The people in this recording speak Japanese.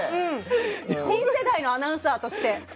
新世代のアナウンサーとして。